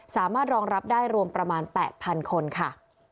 สามารถรองรับได้รวมประมาณ๘๐๐๐คนค่ะ